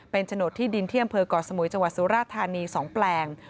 เป็นโฉนดที่ดินที่อำเภอก่อสมุยจังหวัดสุราธานี๒แปลง